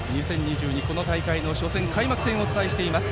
この大会の初戦、開幕戦をお伝えしています。